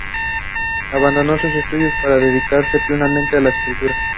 Abandonó los estudios para dedicarse plenamente a la escritura.